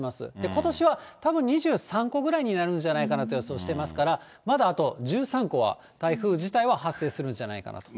ことしはたぶん、２３個ぐらいになるんじゃないかと予想してますから、まだあと、１３個は、台風自体は発生するんじゃないかなと。